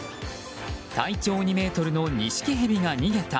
体長２ｍのニシキヘビが逃げた。